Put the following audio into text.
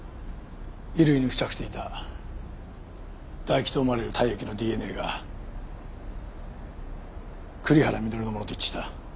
衣類に付着していた唾液と思われる体液のＤＮＡが栗原稔のものと一致した。